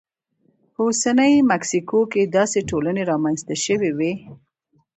په اوسنۍ مکسیکو کې داسې ټولنې رامنځته شوې وې